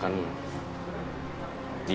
dia untuk menerima hubungan kita